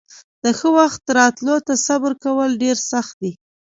د ښه وخت راتلو ته صبر کول ډېر سخت دي.